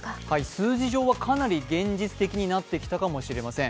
数字上はかなり現実的になってきたかもしれません。